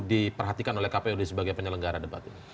diperhatikan oleh kpud sebagai penyelenggara debat ini